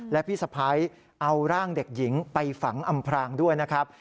และพี่สะพ้ายเอาร่างเด็กหญิงไปฝังอำพรางด้วยนะครับ